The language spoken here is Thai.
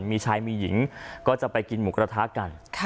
มีชายมีหญิงก็จะไปกินหมูกระทะกัน